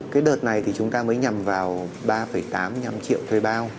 cái đợt này thì chúng ta mới nhằm vào ba tám mươi năm triệu thuê bao